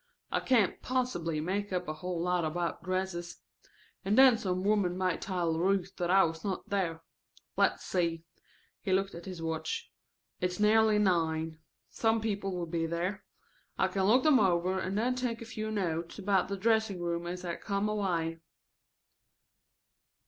I can't possibly make up a whole lot about dresses. And then some woman may tell Ruth that I was not there. Let's see," he looked at his watch, "it's nearly nine. Some people will be there. I can look them over and then take a few notes about the dressing room as I come away."